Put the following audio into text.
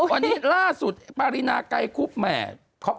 วันนี้ล่าสุดปรินาไกรคุบแหม